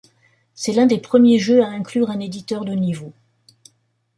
C'est l'un des premiers jeux à inclure un éditeur de niveau.